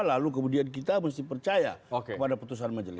lalu kemudian kita mesti percaya kepada putusan majelis